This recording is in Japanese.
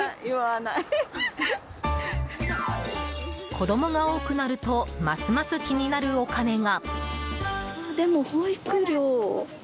子供が多くなるとますます気になるお金が。